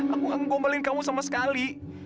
aku nggak ngebombalin kamu sama sekali